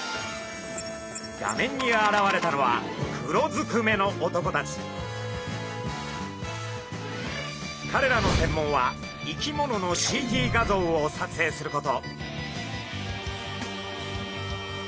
画面に現れたのはかれらの専門は生き物のＣＴ画像を撮影すること。